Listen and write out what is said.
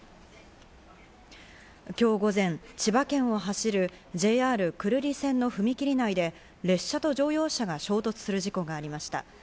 今日午前、千葉県を走るＪＲ久留里線の踏切内で、列車と乗用車が衝突する事故がありました。